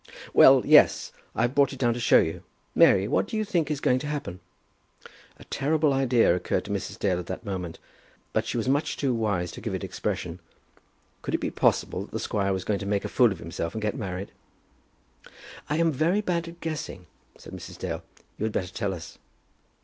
"Well, yes; I've brought it down to show you. Mary, what do you think is going to happen?" A terrible idea occurred to Mrs. Dale at that moment, but she was much too wise to give it expression. Could it be possible that the squire was going to make a fool of himself and get married? "I am very bad at guessing," said Mrs. Dale. "You had better tell us."